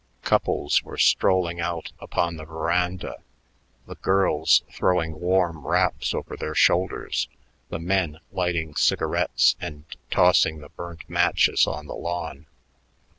Couples were strolling out upon the veranda, the girls throwing warm wraps over their shoulders, the men lighting cigarettes and tossing the burnt matches on the lawn.